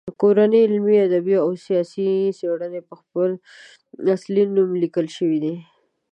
کورنۍ علمي، ادبي او سیاسي څیرې په خپل اصلي نوم لیکل شوي دي.